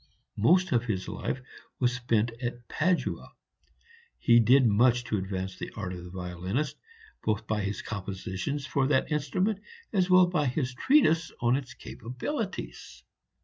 Most of his life was spent at Padua. He did much to advance the art of the violinist, both by his compositions for that instrument, as well as by his treatise on its capabilities.